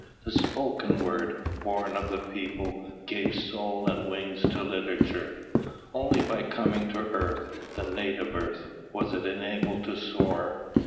The spoken word, born of the people, gave soul and wing to literature; only by coming to earth, the native earth, was it enabled to soar.